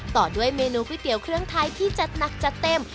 ต่อด้วยเมนูก๋วยเตี๋ยวเครื่องไทยที่จัดหนักจัดเต็ม